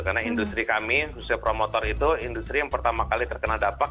karena industri kami industri promotor itu industri yang pertama kali terkena dapak